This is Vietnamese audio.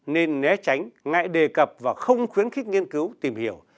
nên né tránh ngại đề cập và không khuyến khích nghiên cứu tìm hiểu